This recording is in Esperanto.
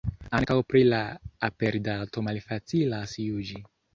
Ankaŭ pri la aperdato malfacilas juĝi.